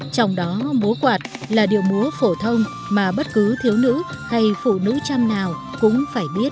trong đó múa quạt là điệu múa phổ thông mà bất cứ thiếu nữ hay phụ nữ trăm nào cũng phải biết